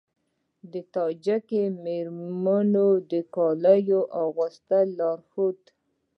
د تاجیکي میرمنو د کالیو اغوستلو لارښود